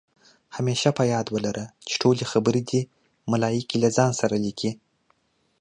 همېشه په یاد ولره، چې ټولې خبرې دې ملائکې له ځان سره لیکي